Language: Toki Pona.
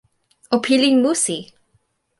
o pilin musi.